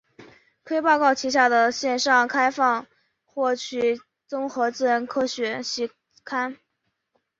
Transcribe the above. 科学报告旗下的线上开放获取综合自然科学期刊。